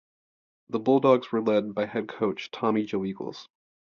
The Bulldogs were led by head coach Tommy Joe Eagles.